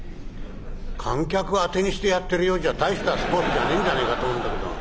観客を当てにしてやってるようじゃ大したスポーツじゃねえんじゃねえかと思うんだけど。